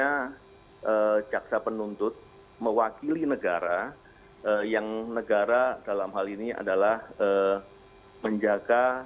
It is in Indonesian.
karena jaksa penuntut mewakili negara yang negara dalam hal ini adalah menjaga